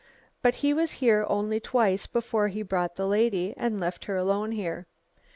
But he was here only twice before he brought the lady and left her alone here.